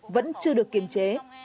vẫn chưa được kiểm tra